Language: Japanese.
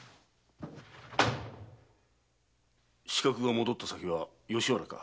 刺客が戻った先は吉原か？